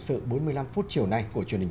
sự bốn mươi năm phút chiều nay của truyền hình